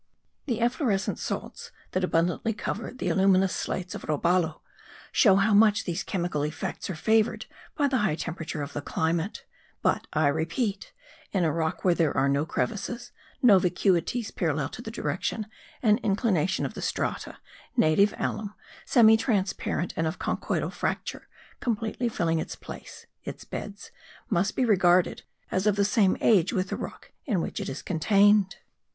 The efflorescent salts that abundantly cover the aluminous slates of Robalo, show how much these chemical effects are favoured by the high temperature of the climate; but, I repeat, in a rock where there are no crevices, no vacuities parallel to the direction and inclination of the strata, native alum, semitransparent and of conchoidal fracture, completely filling its place (its beds), must be regarded as of the same age with the rock in which it is contained.